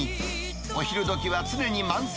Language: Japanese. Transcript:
お昼どきは常に満席。